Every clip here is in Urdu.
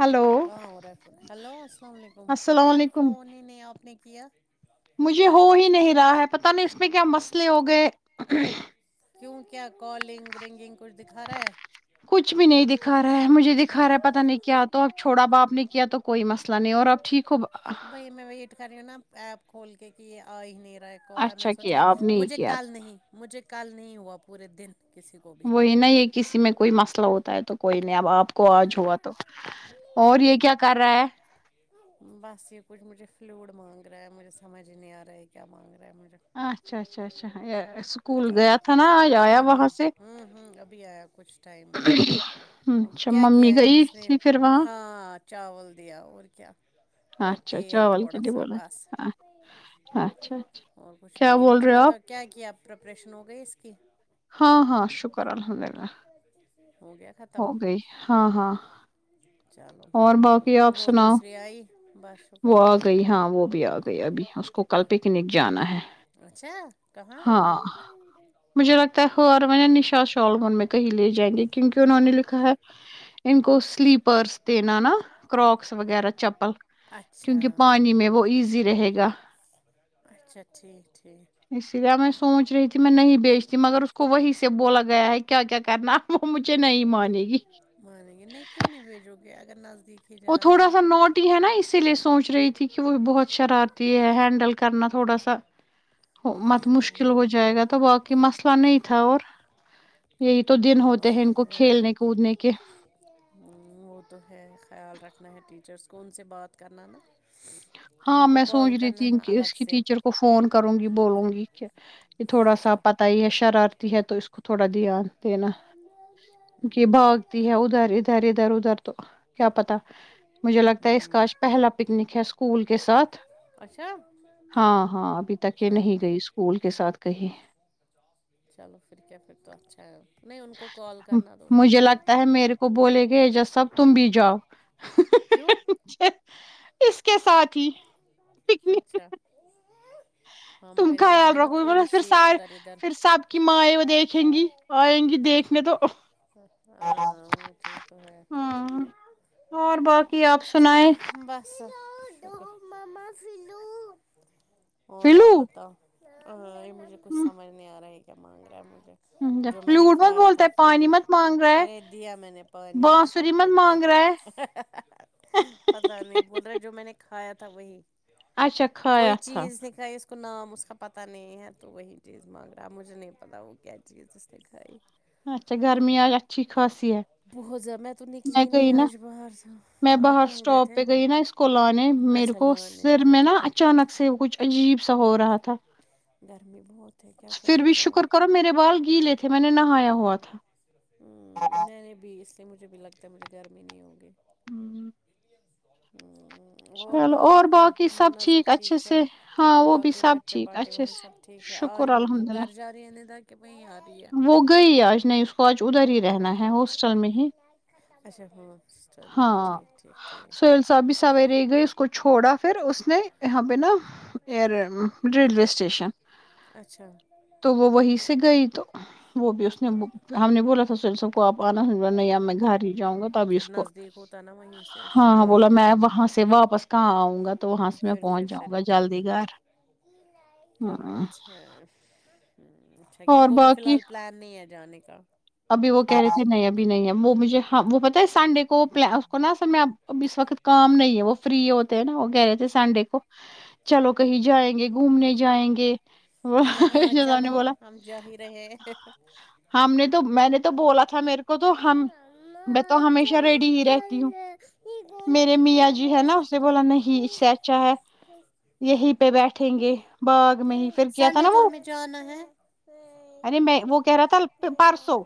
ہلو السلام علیکم کیایا مجھے ہو ہی نہیں رہا ہے پتا نہیں اس میں کیا مسئلے ہو گئے کیوں کیا کالنگ رنگنگ کچھ دکھا رہا ہے کچھ بھی نہیں دکھا رہا ہے مجھے دکھا رہا ہے پتا نہیں کیا تو اب چھوڑا باپ نے کیا تو کوئی مسئلہ نہیں اور اب ٹھیک ہو بی میں وہ یہ کر رہے نا ایپ کھول کے کہ یہ آ ہی نہیں ہے کوال میں نے اچھا سوچے کیا آپ نے یہ مجھے کیا کال نہیں مجھے کل نہیں ہوا پورے دن کسی کو بھی وہی ن یہ کسی میں کوئی مسئلہ ہوتا تا ہے تو کوئی نہیں اب آپ کو آج ہوا تو اور یہ کیا کر رہا ہے بس یہ کچھ مجھے فل مانگ رہا ہے مجھے سمجھ نہیں آ رہا ہے کیا مانگ رہا ہے مجھے اچھا اچھا اچھا یہ اسکول پتہ گیا نہیں تھا نا آج آیا وہاں سے تو کچھ ٹائم میں اچھا کیا کیا ممی ہے گئی اس نے تھی پھر وہاں ہاں چاول دیا اور کیا اور اچھا تیل چاال تھوڑا کٹیے سا بولا بس ہاں ہاں اور کچھ بھی نہیں مجھے بتا کیا کیا پرپریشن ہو گئی اس اکے ہاں ہاں شکر الحمد للہ ہو گیا ہو ختم گئی ہاں ہاں چلو اور باقی آپ وہ سناؤ دوسری آئی بس شکر وہ آ گئی ہاں وہ بھی آ گئی ابھی اس کو کل پکنک جانا ہے اچھا کہاں ہاں مجھے لگتا ہے ہور میں نشا شالمن میں کہیں لے جائیں گے کیونکہ نے لکھا ہے ان کو سلیپر دینا نا کروکس وغیرہ چپل اچھا کیونکہ پانی میں وہ ایزی رہے گا اچھا ٹھیک ٹھیک اسی لیے ہمیں سوچ رہی تھی میں نہیں بیچتی مگر اس کو وہی سے بولا گیا ہے کیا کیا کرنا اب وہ مجھے نہیں مانے گی مانیں گ نہیں کیوں نہیں بیجو گ کرن وہ تھوڑا سا نوٹ ہی ہے نا اسی لیے سوچ رہی تھی کہ وہ بہت شرارتی ہے ہینڈل کرنا تھوڑا سا مت مشکل ہو جائے گا تو باقی مسئلہ نہیں تھا اور یہی تو دن ہاں ہوتے ہیں ان کو کھیلنے کودنے کے وہ تو ہے خیال رکھنا ہے ٹیچرس کون سے بات کرنا نا ان ہاں کو میں سوچ کال رہی کرنا تھی نا کہ اس الگ کی سے ٹیچر کو فون کروں گی بولوں گی کہ یہ تھوڑا اس سا کا پت ہی ہے شرارتی ہے تو اس کو تھوڑا دھیان دینا کی کہ بھاگتی ہے ادھر ادھر ادھر ادھر تو کیا پتا مجھے لگتا ہے اس کا ہوں آج پہلا پکنک ہے اس کو اسکول کے ساتھ اچھا ہاں ہاں ابھی تک یہ نہیں ہاں گئی اسکول کے ساتھ کہیں چلو پھر کیا پھر تو اچھا ہے نہیں ان کو کال کرنا تو ان کو مجھے بول کے لگتا ہے رکھنا میرے کو بولے گے ایجسب تم بھی جاؤ کیوں اس کے ساتھ ہی پکنک اچھا ہاں تم مگر کا یہ خیال ہے نا رکھو گ ب تھوڑی پھر سی سار ادھر پھر ادھر سب کی ماںیں وہ دیکھیں گی آئیں گی دیکھنے تو ایک ہاں وہ چیز تو ہے ہاں اور باقی آپ چلو سنائیں بس ڈ مما فلو [unintelligible] اور فلو آپ بتاؤ ہاں [unintelligible] مجھے کچھ سمجھ آ رہا ہے کیا مانگا میں [unintelligible] جو میں نے فلوٹ مت کھایا بولتا تھا ہے پ پانی لوں مت مانگ رہا ہے ارے دیا میں نے پانی بھی سب بانسری مت کچھ مانگ رہا ہے دیا پتا نہیں بول رہے جو میں نے کھایا تھا وہی اچھا کوئی کھیات تھا چیز نہیں کھائی اس کو نام اس کا پتا نہیں ہے تو وہی چیز مانگ رہا مجھے نہیں پتا وہ کیا چیز اس نے کھائی اچھا گرمیں اچھی خاص بہت زیادہ میں تو میں نکلی نہیں گئی نا آج باہر سے میں آپ باہر کہاں گئے اسٹاپ تھے پہ گئی نا اس کو لنے میرے اچھا کو لان ہے سر میں نا اچانک سے کچھ عجیب سا ہو رہا تھا گرمی بہت ہے کیا پھر کریں بھی گے آج شکر کرو میرے بال گیلے تھے میں نے نہایا ہوا تھا ہ میں نے بیس [unintelligible] نہیں مجھے بھی لگتا ہے مجھے گرمی نہیں ہوگی ہوں [unintelligible] ہوں [unintelligible] اور باقی کیا سب نظر اچھے ٹھیک ہے سے ہاں وہ بھی باقی سب بچہ ٹھیک پارٹی اچھے سے سب ٹھیک ہے آج شکر الحمد گھر اللہ جا رہی ہیں نہیں تک وہ گئی آج نہیں اس کو آج ادھر ہی رہنا ہے ہاسٹل میں ہی اچھا ہاں [inaudible] ٹھیک ٹھیک ٹھیک سب بھی سوائی رہی گئی اس کو چھوڑا پھر اس نے یہاں پہ نا ایر ریلوے اسٹیشن تو وہ وہی سے گئی تو وہ بھی اس نے اچھا ہم نے بولا تھا سل سب اپ انا اس نے بولا نہیں اب میں گھر ہی جاؤں گا تب اس کو نزدیک ہوتا نا وہیں سے اس کو ہاں بولا گرم میں وہاں سے واپس کہاں آؤں گا تو وہاں سے میں پھر پھر پہنچ سے جاؤں گا نکلنا جلدی گھر چلو ہ لیکن ان کو بھی فحال پلان نہیں ہے جانے کا بھی نہیں ہے وہ مجھے وہ پتہ ہے سنڈے کو نا اصل میں اب اس وقت کام نہیں ہے وہ فری ہوتے ہیں نا کہہ رہے تھے سنڈے کو چلو کہیں جائیں گے گھومنے جائیں گے بولو ہاں نے چلو بولا ہم جاہی رہے ہم نے تو میں تو بولا تھا میرے کو تو ہم تو ہمیشہ ریڈی ہی رہ تی ہوں میرے میاں جی ہے نا اسے بولا نہیں اس سے اچھا ہے یہی پہ بیٹھیں گے باغ میں ہی پھر کیا تھا سنڈے نا تو وہ ہمیں جانا ہے ارے میں وہ کہہ رہا تھا پرسوں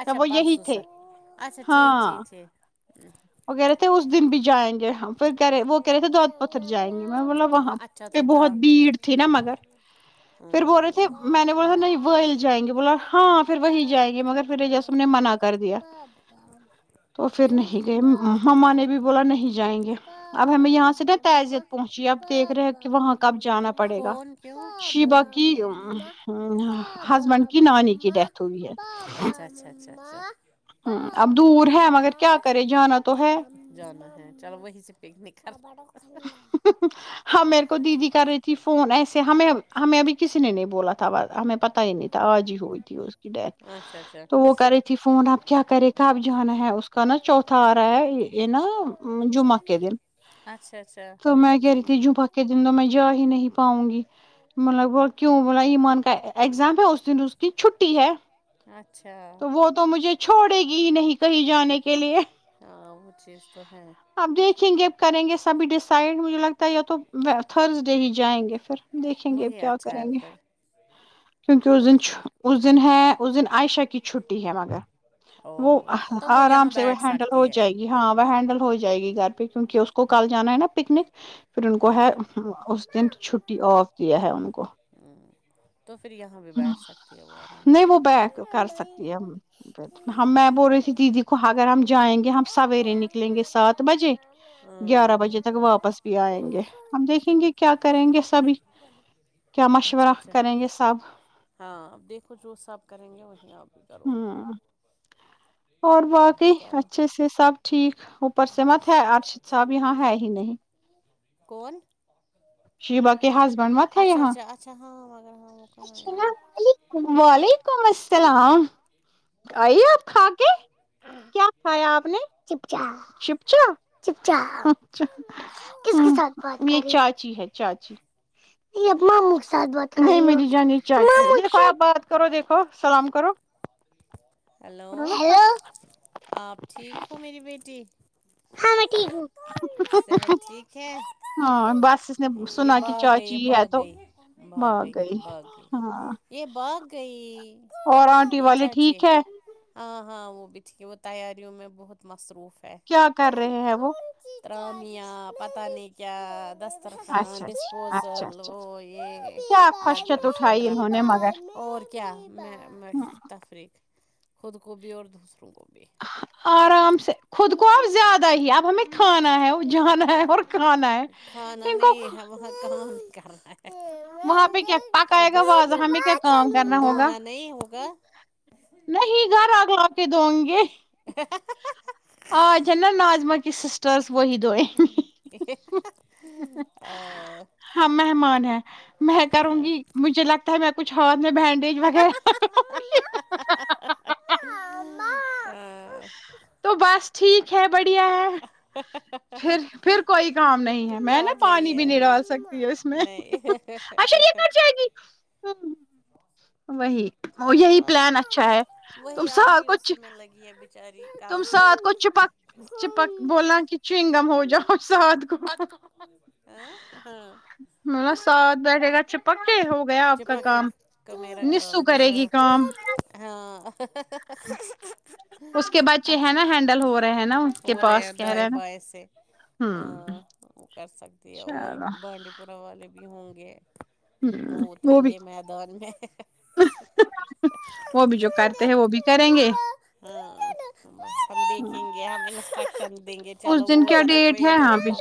اچھا جب وہ یہی پرسوں تھے سر اچھا ٹھیک ٹھیک [inaudible] وغیرہ تھ اس دن بھی جائیں گے ہاں پھرے وہ کہہ رہے تھے دود پتھر جائیں گے میں بولا وہاں ہاں اچھا پہ تو تھا بہت بھیڑ تھی نا مگر پھر بول رہے تھے ہوں میں نے بولے تھ بابا نہیں وہل جائیں گے بولا ماما ہاں پھر وہی جائیں گے مگر پھر اعجاز صاحب نے منع کر دیا بابا تو پھر کیوں نہیں مما نے بھی بابا بولا نہیں جائیں گے اب بابا ہمیں یہاں سے نا مما تعزیت پہنچی اب دیکھ رہے ہیں بابا کہ وہاں کب جانا مما پڑے گا کون کیوں بابا شیبا کی مما بابا ہسبینڈ کی نانی کی مما ڈیتھ بابا مما اچھا [inaudible] ہ اب دور ہے مگر کیا مما کرے جانا تو ہے پپا [inaudible] چلو وہیں سے پکنک کر ہاں میرے کو دیدی کر رہی تھی فون ہمیں ہمیں ابھی کسی نے نہیں بولا تھا ہمیں پتہ ہی نہیں تھا آج ہی ہوئی تھی اس کی ڈیتھ اچھا اچھا تو وہ کری تھی فون اب کیا کرے کب جانا ہے اس کا نا چوتھا آ رہا ہے یہ نا جمعہ کے دن اچھا اچھا تو میں کہہ رہی تھی جمعہ کے دن تو میں جا نہیں پاؤں گی مما نے بولا کیوں بولا ایمان کا ایگزام ہے اس دن اس کی چھٹی ہے اچھا تو وہ تو مجھے چھوڑے گی ہی نہیں کہیں جانے کے لیے ہاں وہ چیز تو ہے اب دیکھیں گے کریں گے سبھی ڈس سائڈ مجھے لگتا ہے یا تو تھرس ڈے ہی جائیں گے پھر دیکھیں گے اب وہی کیا اچھا کریں ہے گے پھر کیونکہ اس دن تھرسڈے کو۔ اس دن ہے اس دن عائشہ کی چھٹی ہے مگر وہ او تو آرام یہاں سے وہ بیٹھ ہینڈل ہو سکتی ہے جائے گی ہاں وہ ہینڈل ہو ج جائے گی گھر پہ کیونکہ اس کو کل جانا ہے نا پکنک پھر ان کو ہاں ہے اس دن چھٹی آف کیا ہے ان کو ہوں، تو پھر یہاں بھی بیٹھ سکتی ہے وہ آرام نہیں سے وہ بیک کر سکتی ہے ہم میں بول رہی تھی دیدی کو اگر ہم جائیں گے ہم سویرے نکلیں گے سات بجے گیارہ بجے بس بھی آئیں گے ہم دیکھیں گے کیا کریں گے سبھی کیا اچھا مشورہ اچھا کریں گے سب ہاں اب دیکھو جو سا آب کریں گے وہیں آپ بھی کرو ہاں اور باقی چلو اچھے سے سب ٹھیک اوپر بس سےمت ہے شکر ارشد شکر صاحب یہاں ہے ہی نہیں کون شیبا کے ہسبینڈ مت ہے اچھا یہاں اچھا اچھا ہاں مگر ہاں وہ کہاں السلام ہے علیکم وعلیکم السلام ہاں آئیے آپ کھا کے کیا کھایا آپ نے چپچا چپچا چپچا کس یہ چاچی ہے چاچی میری جانی چاہیے بات کرو دیکھو سلام کرو ہلو ہیلو آپ ٹھیک ہو میری بیٹی ہاں میں ٹھیک ہ صحت ٹھیک ہے ہاں بس اس نے یہ سنا کہ باغئی یہ چاچی ہے تو باغئی بھاگ باغئی گئی باغئی ہاں یہ باغئی جی اور آنٹی والے ٹھیک ہے ہ ہاں وہ بھی تھی ہے وہ تیاریوں میں بہت م کیا کر رہے ہیں وہ ترامیہ پتہ نہیں کیاست اچھا اچھا اچھا ڈسپوزل اچھا وہ کیا یہٹرم خشکت اٹھائی انہوں نے مگر شٹرم اور کیا تفریق خود کو بھی اور دوسروں کو بھی آرام سے خود کو اب زیادہ ہی اب ہمیں کھانا ہے ا جانا ہے اور کھانا ہے کھانا ان کو نہیں ہے بت تھااں کرنا وہاں پہ کیا ہے پک آئے اوپر گا سے وجحاں میں کیا کام کرنا ہوگا ڈھونڈنا نہیں ہوگا نہیں گھر آگ لا کے دووں گے آ جنا ناظما کی سسٹرس وہی دو آ ہاں مہمان ہے میں کروں گی مجھے لگتا ہے میں کچھات بینڈیج وغیرہ [inaudible] آ آ تو بس ٹھیک ہے بڑھیا ہے پھر پھر کوئی کام نہیں میں نا کام پانی بھی ہے نہیں ڈال سکتی ہ اس میں نہیں اچھا یہ کٹ جائے گی وہی یہی پلان اچھا ہے تم وہی سب آنٹی کچھ اسی میں لگی ہے بیچاری کل تم سے سات کو چپک چپک بولا کہ چنگم ہو جاؤ سات کو ہاں ہاں ما ساتھ بیٹھے گا چپکے ہوگا چپک کا میرا کام بھی کرے ہاں گی کام ہاں اس کے بچے ہیں اچھا نا ہینڈل ہو رہے ہیں نا اس کے ہو پاس ہیں کہ دائیں رہے نا بائیں سے ہ ہاں وہ کر ستی ہے اور بانڈی پورہ والے بھی ہوں گے ہ وہ اتریں بھی گے میدان میں وہ بھی جو کرتے ہیں وہ بھی کریں گے ہاں ہم ہ دیکھیں گے ہم [unintelligible] دیں گے اس چلو دن وہ ا کیا دھر رکھو ڈیٹ ہے یہدھر ہاں بھی رکھو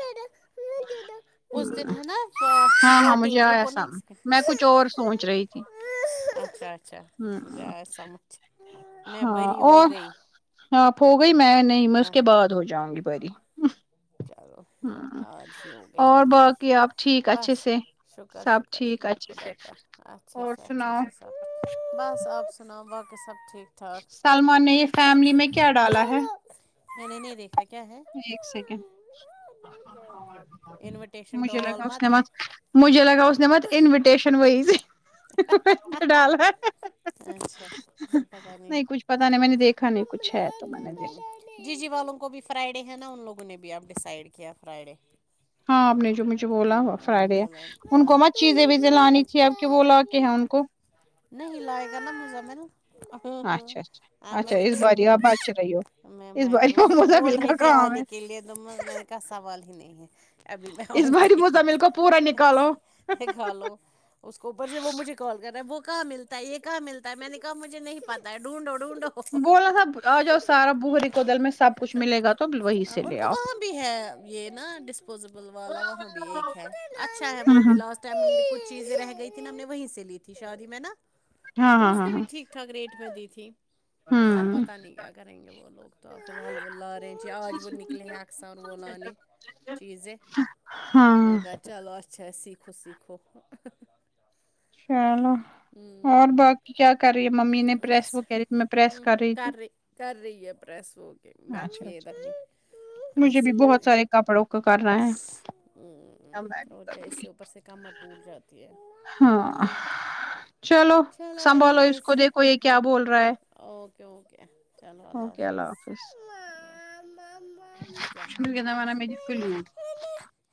اس دن ہے ہاں ہاں مجھے ناٹین آیا رکنا سم ایک میں کچھ اور سوچ رہی تھی سیکنڈ اچھا اچھا ہ مجھے ہ آیا سمجھ میں ہاں بری اور ہو گئی آپ ہو گئی میں نہیں میں اس ہاں کے بعد ہو جاؤں گی بری [unintelligible] ہ اور باقی آپ ٹھیک اچھے سے سب ٹھیک اچھے سے اور سناؤ اپنا با کے سب ٹھیک ٹھاک سلمان نے یہ فیملی میں کیا ڈالا ہے چلو میں نہیں د ایک سیکنڈ [unintelligible] انویٹیشن ٹو مجھے آل لگا اس نے ہے مت مجھے لگا اس نے مت انویٹیشن وہی [inaudible] ڈالا ہے اچھا پتا نہیں کچھ پتا نہیں میں نے دیکھا نہیں کچھ ہے تو میں نے دیکھا ججی والوں کو بھی فرائی ہے نا ان لوگوں نے بھی اب ڈیسائڈ کیا فرائیڈے ہاں آپ نے جو مجھے بولا میں فرائیڈے ہے بولا ان ہاں کو مت چیزیں ویزیں لانی تھی اب کہ وہ لاکے ہیں ان کو نہیں لائے گا نا مزمل میں اچھا اچھا اچھا اس فری باری ہوں آپ بچ رہی ہو میں اس بیٹھی باری ہوں وہ مجھے بول مزمل رہی کا تھی کام آنے ہے کے لیے میں نے کہا سوال ہی نہیں ہے ابھی میں آؤں اس باری گی مزمل کو پورا نکالو کھا لو اس کو اوپر سے وہ مجھے کال وہ کہاں ملتا ہے یہ کہاں ملتا ہے میں نے کہا مجھے نہیں پتا ہے ڈھونڈو ڈھونڈو بولا تھا آ جاؤ سارا بوہری کودل میں سب کچھ ملے گا تو وہی سے ان لے کو آؤ وہاں بھی ہے یہ نا ڈسپوزیبل والا وہاں بھی ایک ہے اچھا ہے وہ بھی ہاں لاسٹ ٹائم ہم نے کچھ چیزیں رہ گئی تھی نا ہم نے وہیں سے لی شادی میں نا ہاں تو اس ہاں نے بھی ہاں ٹھیک ٹھاک ریٹ دی تھی ہاں اب ہاں ہوں پتا نہیں کیا کریں گے وہ لوگ فلحال وہ لا رہے ہیں جی آج وہ نکلے ہیں اکثار وہ لا نے چیزیں میں ہاں نے کہا چلو اچھا ہے سیکھو خود سیکھو چلو ہمم اور باقی کیا کر رہی ہے ممی نے پریس بس وہ کہہ رہی تھی میں پریس کر رہی تھی کر رہی ہے پریس وہ اچھا بیٹھی ہے اچھا ادھر ہی مجھے پریس بھی ہی بہت کرنے سارے کپڑوں کو کرنا ہے کیا میں بھی اور کیا اس کروں گی سے اوپر سے کمر ٹوٹ جاتی ہے ہاں چلو اینی سنبھالو اس ویز کو دیکھو یہ کیا ہاں بول رہا ہے اوکے اوکے چلو اوکے اللہ حافظ کیا [unintelligible]